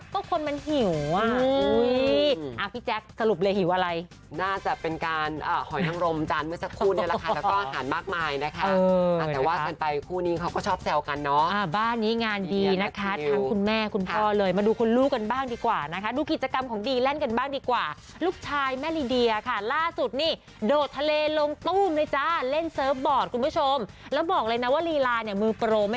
พี่แจ๊คสรุปเลยหิวอะไรน่าจะเป็นการอ่ะหอยนั่งรมจานเมื่อสักครู่นี้แหละค่ะแล้วก็อาหารมากมายนะคะเออแต่ว่าเมื่อไปคู่นี้เขาก็ชอบแซวกันเนอะอ่าบ้านนี้งานดีนะคะทั้งคุณแม่คุณพ่อเลยมาดูคุณลูกกันบ้างดีกว่านะคะดูกิจกรรมของดีเล่นกันบ้างดีกว่าลูกชายแม่ลีเดียค่ะล่าสุดนี่โดดทะเลลงตุ้ม